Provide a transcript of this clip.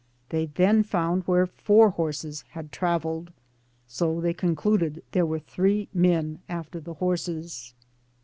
They then found where four horses had traveled, so they concluded there were three men after the horses.